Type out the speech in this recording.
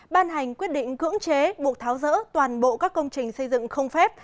ban hành quyết định cưỡng chế buộc tháo rỡ toàn bộ các công trình xây dựng không phép